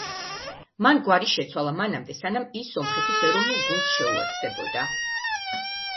მან გვარი შეცვალა მანამდე, სანამ ის სომხეთის ეროვნულ გუნდს შეუერთდებოდა.